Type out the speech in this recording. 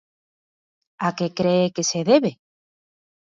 A que cre que se debe?